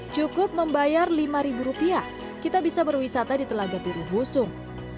cukup membayar lima rupiah kita bisa berwisata di telaga biru busung